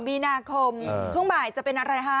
มีนาคมช่วงบ่ายจะเป็นอะไรฮะ